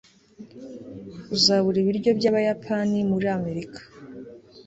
uzabura ibiryo byabayapani muri amerika